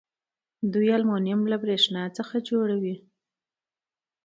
دوی المونیم له بریښنا څخه جوړوي.